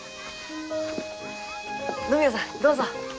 野宮さんどうぞ。